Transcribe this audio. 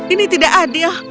ini tidak adil